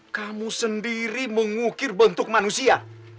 kamu sendiri mengukir bentuk manusia